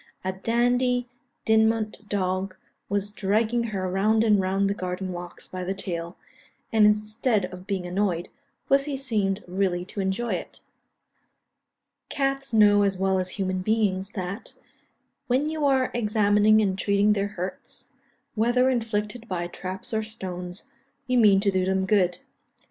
A Dandie Dinmont dog was dragging her round and round the garden walks by the tail, and instead of being annoyed, pussy seemed really to enjoy it." (See Note G, Addenda.) Cats know as well as a human beings, that, when you are examining and treating their hurts whether inflicted by traps or stones you mean to do them good.